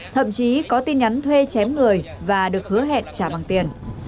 thậm chí có tin nhắn thuê chém người và được hứa hẹn trả bằng tiền